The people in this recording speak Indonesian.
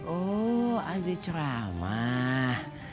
oh ada ceramah